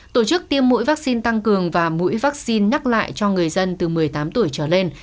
tổ chức tiêm mũi vaccine tăng cường và mũi vaccine nhắc lại cho người dân từ một mươi tám tuổi trở lên